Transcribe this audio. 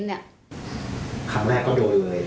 ครั้งแรกก็โดนเลย